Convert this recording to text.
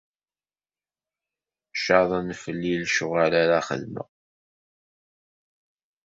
Ccaḍen fell-i lecɣal ara xedmeɣ.